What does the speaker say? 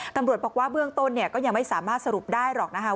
ตำรวจบอกว่าเบื้องต้นเนี่ยก็ยังไม่สามารถสรุปได้หรอกนะคะ